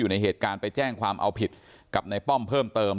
ในเหตุการณ์ไปแจ้งความเอาผิดกับในป้อมเพิ่มเติม